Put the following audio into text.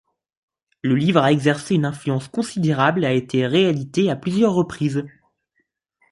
Le livre a exercé une influence considérable et a été réédité à plusieurs reprises.